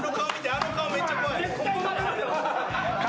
あの顔めっちゃ怖い。